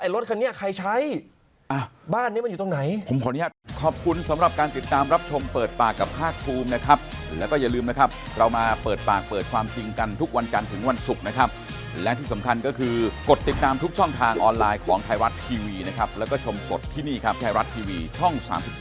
รถคันนี้ใครใช้บ้านนี้มันอยู่ตรงไหน